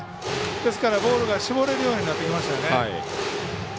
ですから、ボールが絞れるようになってきましたね。